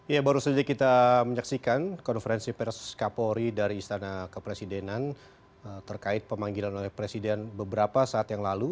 ya baru saja kita menyaksikan konferensi pers kapolri dari istana kepresidenan terkait pemanggilan oleh presiden beberapa saat yang lalu